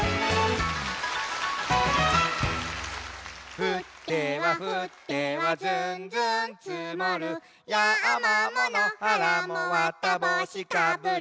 「ふってはふってはずんずんつもる」「やまものはらもわたぼうしかぶり」